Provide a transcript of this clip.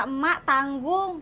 kata emak tanggung